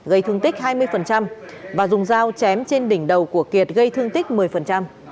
họ đã dùng súng hơi bắn gây thương tích hai mươi và dùng dao chém trên đỉnh đầu của kiệt gây thương tích một mươi